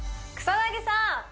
草薙さん！